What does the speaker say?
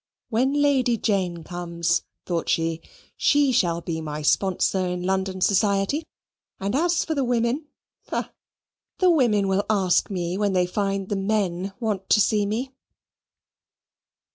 "When Lady Jane comes," thought she, "she shall be my sponsor in London society; and as for the women! bah! the women will ask me when they find the men want to see me."